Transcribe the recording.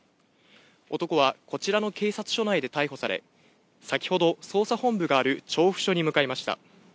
男はこちらの警察署内で逮捕され、先ほど、捜査本部がある調布署に向かいました。